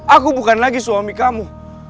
aku bukan lagi suami kamu